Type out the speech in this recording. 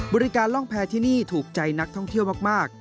บริการล่องแพรที่นี่ถูกใจนักท่องเที่ยวมาก